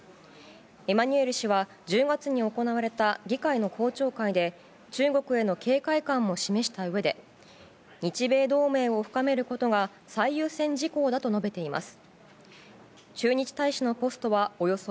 エマニュエル氏は１０月に行われた議会の公聴会で中国への警戒感も示したうえで日米同盟を深めることが最優先事項だと述べています。